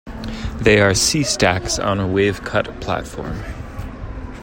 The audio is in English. They are sea stacks on a wave-cut platform.